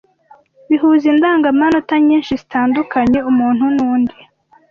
bihuza indangamanota nyinshi zitandukanya umuntu n’undi,